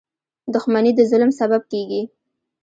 • دښمني د ظلم سبب کېږي.